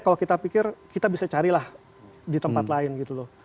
kalau kita pikir kita bisa carilah di tempat lain gitu loh